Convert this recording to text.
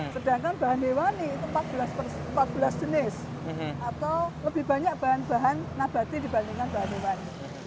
sedangkan bahan hewani itu empat belas jenis atau lebih banyak bahan bahan nabati dibandingkan bahan hewan